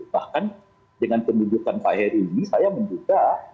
bahkan dengan penunjukan pak heri ini saya menduga